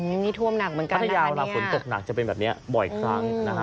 อืมนี่ท่วมหนักเหมือนกันนะครับนี่พัทยาเวลาฝนตกหนักจะเป็นแบบนี้บ่อยครั้งนะครับ